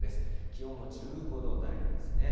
気温も１５度台ですね。